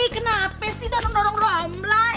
kenapa sih dorong dorong lo amlah